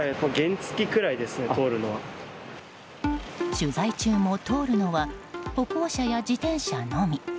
取材中も通るのは歩行者や自転車のみ。